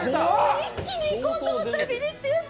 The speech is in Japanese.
一気にいこうと思ったら、ビリッていって。